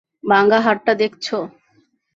ভাঙা হাড়টা দেখছ?